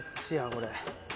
これ。